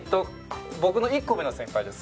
僕の１個上の先輩です。